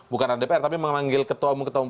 bukan dpr tapi memanggil ketua umum ketua umum